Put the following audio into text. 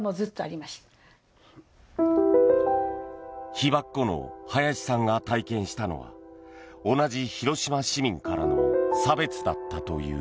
被爆後の早志さんが体験したのは同じ広島市民からの差別だったという。